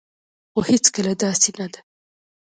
خو هيڅکله داسي نه ده